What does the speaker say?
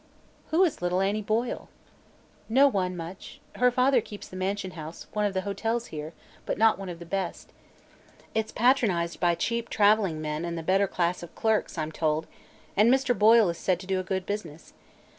"Who is little Annie Boyle?" "No one much. Her father keeps the Mansion House, one of the hotels here, but not one of the best. It's patronized by cheap traveling men and the better class of clerks, I'm told, and Mr. Boyle is said to do a good business.